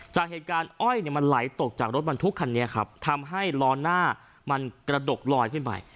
จากเหตุการณ์อ้อยเนี่ยมันไหลตกจากรถบรรทุกคันนี้ครับทำให้ล้อหน้ามันกระดกลอยขึ้นไป